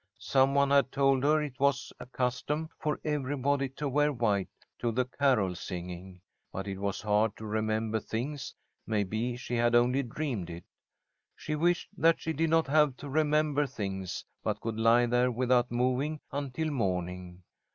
Some one had told her it was a custom for everybody to wear white to the carol singing, but it was hard to remember things, maybe she had only dreamed it. She wished that she did not have to remember things, but could lie there without moving, until morning.